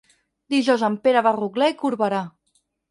Dijous en Pere va a Rotglà i Corberà.